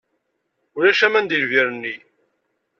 Ulac aman deg lbir-nni.